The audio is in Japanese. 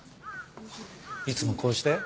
いつもこうして？